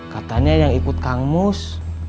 katanya yang ikut kang mus